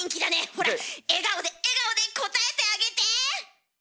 ほら笑顔で笑顔で応えてあげて！